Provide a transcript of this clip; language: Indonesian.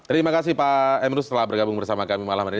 terima kasih pak emrus telah bergabung bersama kami malam hari ini